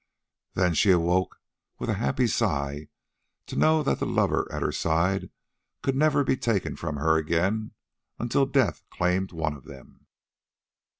Then she awoke with a happy sigh to know that the lover at her side could never be taken from her again until death claimed one of them.